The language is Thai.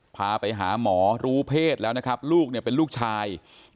พาไปหาหมอรู้เพศแล้วนะครับลูกเนี่ยเป็นลูกชาย